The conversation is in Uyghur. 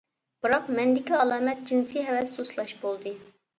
بىراق مەندىكى ئالامەت جىنسى ھەۋەس سۇسلاش بولدى.